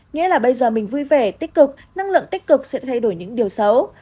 nghĩa là bây giờ mình vui vẻ tích cực năng lượng tích cực sẽ thay đổi những điều xấu